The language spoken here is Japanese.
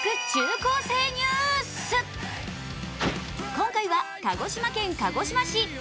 今回は鹿児島県鹿児島市。